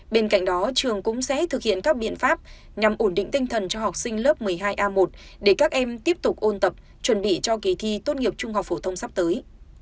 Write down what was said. bên cạnh đó trường cũng sẽ thực hiện các biện pháp nhằm ổn định tinh thần cho học sinh lớp một mươi hai a một để các em tiếp tục ôn tập chuẩn bị cho kỳ thi tốt nghiệp trung học phổ thông sắp tới